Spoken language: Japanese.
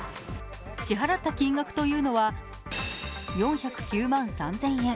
支払った金額というのは４０９万３０００円。